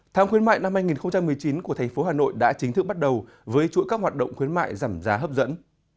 tháng khuyến mại năm hai nghìn một mươi chín của thành phố hà nội đã chính thức bắt đầu với chuỗi các hoạt động khuyến mại giảm giá hấp dẫn